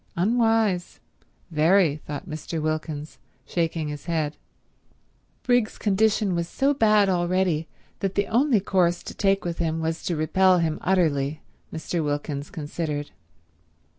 "Unwise— very," thought Mr. Wilkins, shaking his head. Briggs's condition was so bad already that the only course to take with him was to repel him utterly, Mr. Wilkins considered.